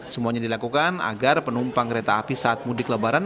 semuanya dilakukan agar penumpang kereta api saat mudik lebaran